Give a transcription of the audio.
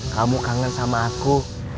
kamu kangen sama aku